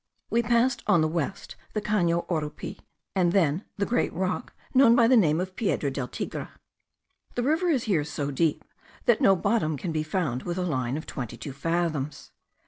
We passed on the west the Cano Orupe, and then the great rock known by the name of Piedra del Tigre. The river is there so deep, that no bottom can be found with a line of twenty two fathoms.